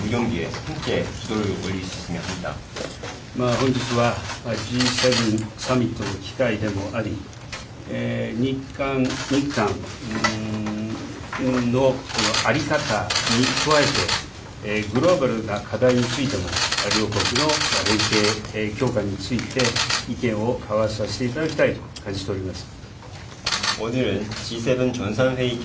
本日はＧ７サミットの機会でもあり、日韓の在り方に加えて、グローバルな課題についても両国の連携強化について意見を交わさせていただきたいと感じております。